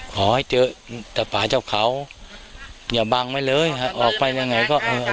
ขอให้เจอแต่ป่าเจ้าเขาอย่าบังไว้เลยออกไปยังไงก็เออ